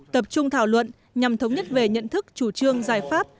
tập trung thảo luận nhằm thống nhất về nhận thức chủ trương giải pháp